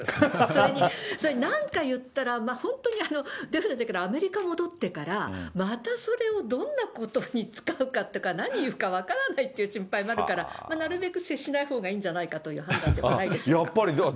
それに、なんか言ったら、本当に、だからアメリカ戻ってから、またそれをどんなことに使うかとか、何言うか分からないっていう心配もあるから、なるべく接しないほうがいいんじゃないかという判断ではないでしょうか。